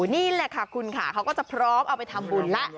นี่แหละคุณค่ะเค้าก็จะพร้อมเอาไปทำบุญละ